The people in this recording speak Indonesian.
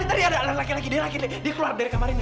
tidur tadi ada laki laki dia dia keluar dari kamar ini